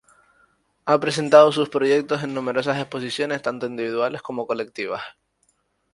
Ha presentado sus proyectos en numerosas exposiciones, tanto individuales como colectivas.